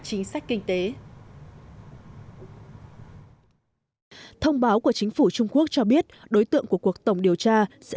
chính sách kinh tế thông báo của chính phủ trung quốc cho biết đối tượng của cuộc tổng điều tra sẽ